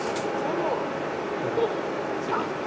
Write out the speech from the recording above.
６六歩と突いていきます。